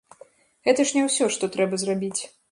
Гэта ж не ўсё, што трэба зрабіць.